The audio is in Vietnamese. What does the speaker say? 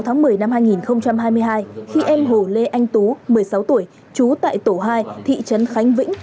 khoảng hai mươi h ngày một mươi sáu tháng một mươi năm hai nghìn hai mươi hai khi em hồ lê anh tú một mươi sáu tuổi chú tại tổ hai thị trấn khánh vĩnh